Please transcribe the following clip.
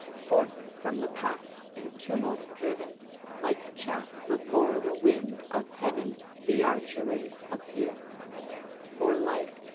Forth from the pass in tumult driven, Like chaff before the wind of heaven, The archery appear: For life!